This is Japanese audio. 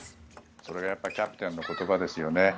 それがやっぱりキャプテンの言葉ですよね。